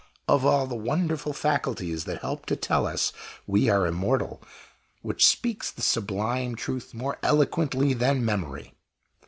Of all the wonderful faculties that help to tell us we are immortal, which speaks the sublime truth more eloquently than memory?